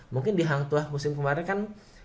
mungkin di hang tuah musim kemaren kan